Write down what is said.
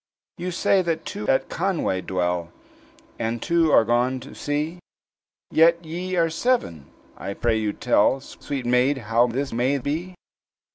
"You say that two at Conway dwell, And two are gone to sea, Yet ye are seven? I pray you tell, Sweet maid, how this may be?"